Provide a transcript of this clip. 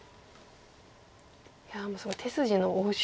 いやもうすごい手筋の応酬。